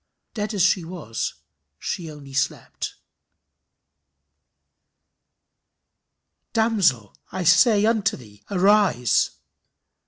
Dead as she was, she only slept. "Damsel, I say unto thee, arise."